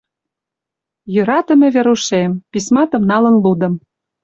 «Йӧратыме Верушем, письматым налын лудым.